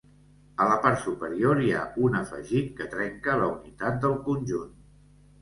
A la part superior hi ha un afegit que trenca la unitat del conjunt.